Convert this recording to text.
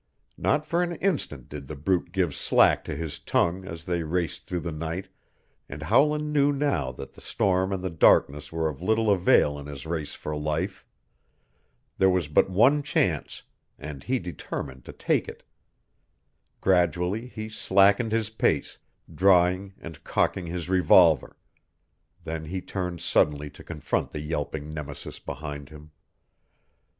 Not for an instant did the brute give slack to his tongue as they raced through the night, and Howland knew now that the storm and the darkness were of little avail in his race for life. There was but one chance, and he determined to take it. Gradually he slackened his pace, drawing and cocking his revolver; then he turned suddenly to confront the yelping Nemesis behind him.